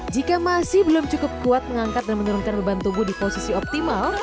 jika masih belum cukup kuat mengangkat dan menurunkan beban tubuh di posisi optimal